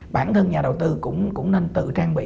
bản thân nhà đầu tư cũng nên tự trang bị